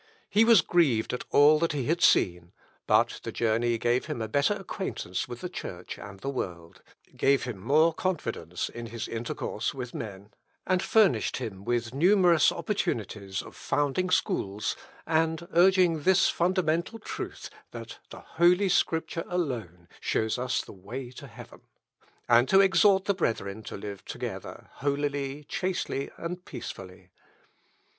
He was grieved at all that he had seen, but the journey gave him a better acquaintance with the Church and the world; gave him more confidence in his intercourse with men and furnished him with numerous opportunities of founding schools, and urging this fundamental truth, that "the Holy Scripture alone shows us the way to heaven," and to exhort the brethren to live together holily, chastely, and peacefully.